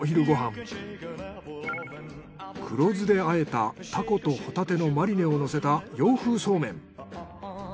黒酢であえたタコとホタテのマリネをのせた洋風そうめん。